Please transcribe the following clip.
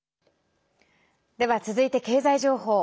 では、続いて経済情報。